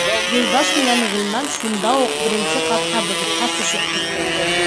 Юлдаш менән Ғилман шунда уҡ беренсе ҡатҡа буфетҡа төшөп китте.